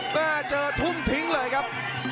แม่เจอทุ่มทิ้งเลยครับ